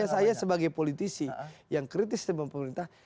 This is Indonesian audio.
saya sebagai politisi yang kritis dengan pemerintah